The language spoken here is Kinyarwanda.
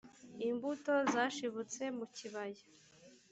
imbuto zashibutse mu kibaya.